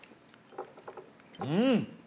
うん！